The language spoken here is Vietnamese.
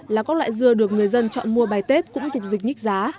là các loại dưa được người dân chọn mua bài tết cũng phục dịch nhích giá